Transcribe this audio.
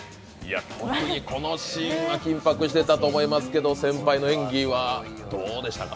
特にこのシーンは緊迫してたと思いますけど演技はどうでしたか？